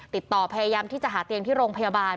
ติดต่อพยายามที่จะหาเตียงที่โรงพยาบาล